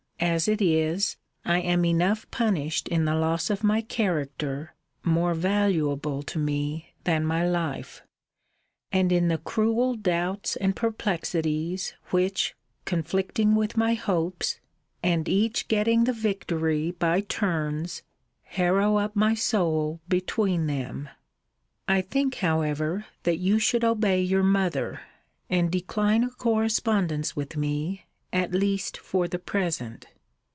As it is, I am enough punished in the loss of my character, more valuable to me than my life; and in the cruel doubts and perplexities which, conflicting with my hopes, and each getting the victory by turns, harrow up my soul between them. I think, however, that you should obey your mother, and decline a correspondence with me; at least for the present.